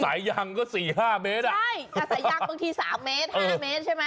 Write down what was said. สายยางก็๔๕เมตรใช่สายยางบางที๓เมตร๕เมตรใช่มั้ย